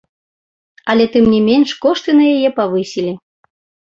Але, тым не менш, кошты на яе павысілі.